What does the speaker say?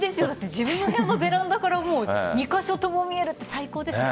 自分の部屋のベランダから２カ所とも見えるって最高ですね。